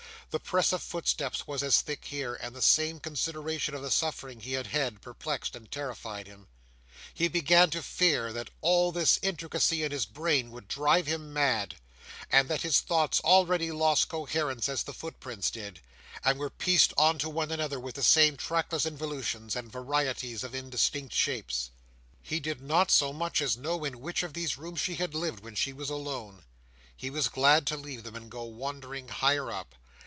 The press of footsteps was as thick here; and the same consideration of the suffering he had had, perplexed and terrified him. He began to fear that all this intricacy in his brain would drive him mad; and that his thoughts already lost coherence as the footprints did, and were pieced on to one another, with the same trackless involutions, and varieties of indistinct shapes. He did not so much as know in which of these rooms she had lived, when she was alone. He was glad to leave them, and go wandering higher up.